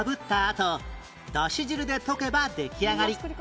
あとだし汁で溶けば出来上がり